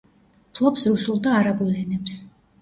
ფლობს რუსულ და არაბულ ენებს.